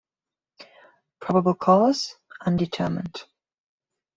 Probable cause: "Undetermined".